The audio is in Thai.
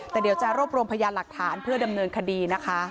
แต่เดี๋ยวจะรวบรวมพยานหลักฐานเพื่อดำเนินคดีนะคะ